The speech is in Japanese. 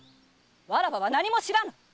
わらわは何も知らぬ！